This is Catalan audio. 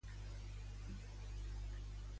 Quina relació té el Dadan amb la Bubamara?